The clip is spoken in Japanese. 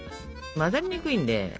混ざりにくいんで。